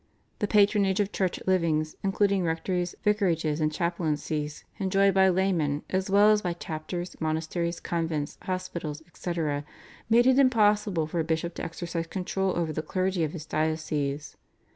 The patronage of Church livings, including rectories, vicarages, and chaplaincies enjoyed by laymen, as well as by chapters, monasteries, convents, hospitals, etc., made it impossible for a bishop to exercise control over the clergy of his diocese.